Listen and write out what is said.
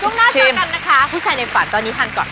ช่วงหน้าเจอกันนะคะผู้ชายในฝันตอนนี้ทันก่อน